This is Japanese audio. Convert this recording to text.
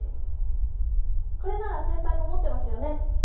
これならせんぱいももってますよね？